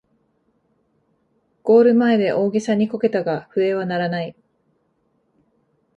ゴール前で大げさにこけたが笛は鳴らない